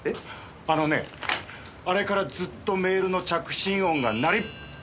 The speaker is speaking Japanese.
あのねあれからずっとメールの着信音が鳴り。